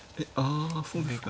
あそうですか。